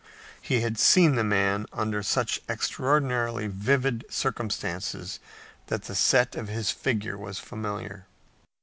He had seen the man under such extraordinarily vivid circumstances that the set of his figure was familiar.